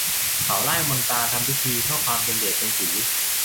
เขาร่ายมนต์ตราทำพิธี เพื่อความเป็นเดชเป็นศรี